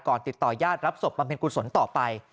ก่อนติดต่อยาธิ์รับศพประเภทคุณสนต่อไป